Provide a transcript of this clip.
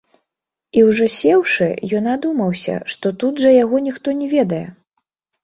І ўжо сеўшы, ён адумаўся, што тут жа яго ніхто не ведае.